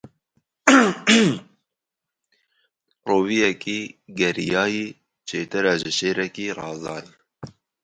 Roviyekî geriyayî, çêtir e ji şêrekî razayî.